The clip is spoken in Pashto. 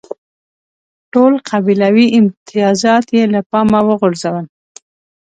ټول قبیلوي امتیازات یې له پامه وغورځول.